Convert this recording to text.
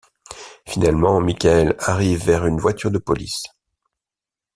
Finalement, Michael arrive vers une voiture de police.